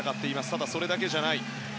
ただ、それだけじゃない。